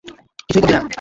কিছুই করবি না।